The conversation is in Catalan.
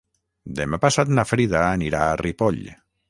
Demà passat na Frida anirà a Ripoll.